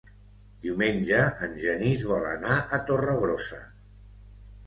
Diumenge en Genís vol anar a Torregrossa.